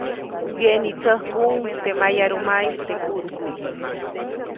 Wyeʼnitsäkuʼuŋ teʼ mayarumaʼis teʼ kuʼtkuʼy.